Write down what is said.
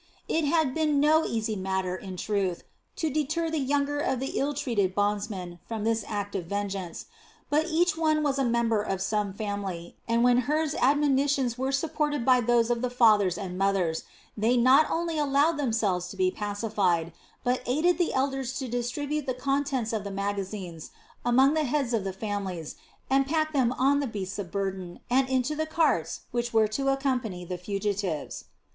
It had been no easy matter, in truth, to deter the younger of the ill treated bondsmen from this act of vengeance; but each one was a member of some family, and when Hur's admonitions were supported by those of the fathers and mothers, they not only allowed themselves to be pacified, but aided the elders to distribute the contents of the magazines among the heads of families and pack them on the beasts of burden and into the carts which were to accompany the fugitives.